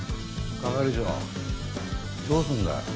係長どうすんだよ？